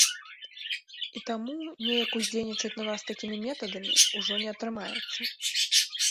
І таму неяк уздзейнічаць на нас такімі метадамі ўжо не атрымаецца.